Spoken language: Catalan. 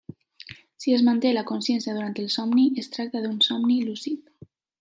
Si es manté la consciència durant el somni, es tracta d'un somni lúcid.